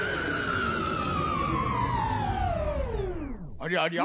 ありゃりゃ？